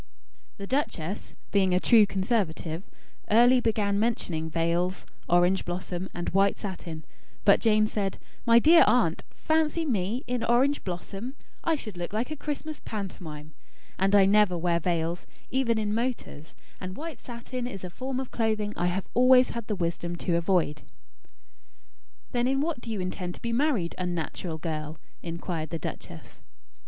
The duchess, being a true conservative, early began mentioning veils, orange blossom, and white satin; but Jane said: "My dear Aunt! Fancy me in orange blossom! I should look like a Christmas pantomime. And I never wear veils, even in motors; and white satin is a form of clothing I have always had the wisdom to avoid." "Then in what do you intend to be married, unnatural girl?" inquired the duchess.